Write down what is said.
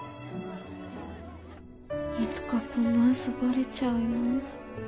いつかこんなウソバレちゃうよね